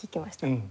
うん。